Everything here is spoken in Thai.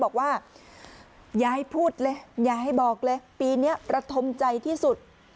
บอกว่าอย่าให้พูดเลยอย่าให้บอกเลยปีเนี้ยประทมใจที่สุด